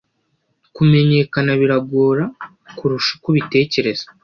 Kumenyekana biragora kurusha uko ubitekereza